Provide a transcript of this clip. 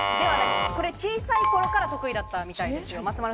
小さい頃から得意だったみたいです。